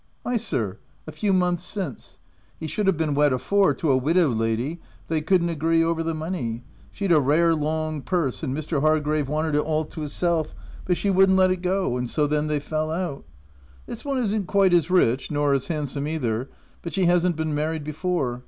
'' ri Ay sir, a few months since. He should a been wed afore, to a widow lady, but they could'nt agree over the money : she'd a rare long purse, and Mr. Hargrave wanted it all to his self ; but she would'nt let it go, and so then they fell out. This one isn't quite as rich — nor as handsome either, but she has'nt been married before.